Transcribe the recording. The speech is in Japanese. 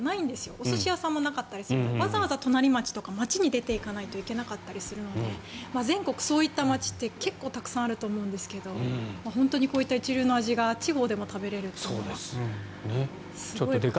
お寿司屋さんもなかったりわざわざ隣町とかに出ていかなきゃいけなかったり全国そういった街って結構たくさんあると思うんですがこういった一流の味が地方でも食べられるのはすごいです。